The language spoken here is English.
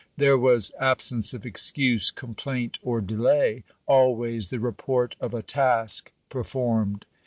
There was absence of excuse, complaint, or delay ; always the report of a task performed.